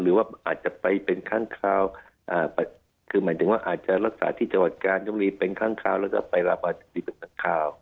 หรือว่าอาจจะไปเป็นข้างคราวคือหมายถึงว่าอาจจะรักษาที่จังหวัดกาลยกรีเป็นข้างคราวแล้วก็ไปลามาธิบดีเป็นข้างคราว